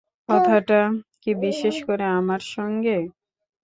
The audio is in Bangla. কথাটা কি বিশেষ করে আমার সঙ্গে?